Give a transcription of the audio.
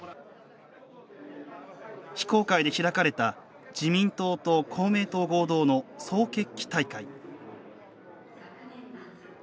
非公開で開かれた自民党と公明党合同の総決起大会。